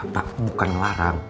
pak bukan ngelarang